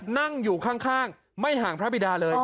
นั่งอยู่ข้างไม่ห่างพระบิดาเลย